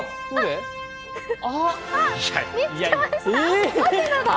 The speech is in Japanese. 見つかりました？